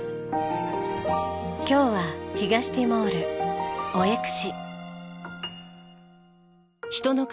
今日は東ティモールオエクシ。